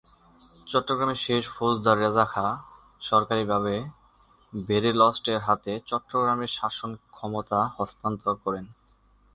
চট্টগ্রামের শেষ ফৌজদার রেজা খাঁ সরকারীভাবে ভেরেলস্ট-এর হাতে চট্টগ্রামের শাসন ক্ষমতা হস্তান্তর করেন।